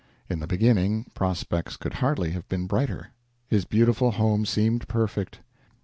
In the beginning, prospects could hardly have been brighter. His beautiful home seemed perfect.